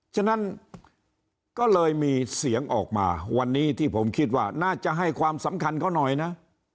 ฉะนั้นก็เลยมีเสียงออกมาวันนี้ที่ผมคิดว่าน่าจะให้ความสำคัญเขาหน่อยนะ